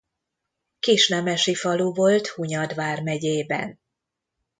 Kisnemesi falu volt Hunyad vármegyében.